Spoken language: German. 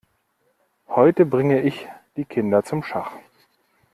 Heute bringe ich die Kinder zum Schach.